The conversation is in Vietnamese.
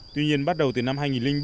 tuy nhiên bắt đầu từ năm hai nghìn bảy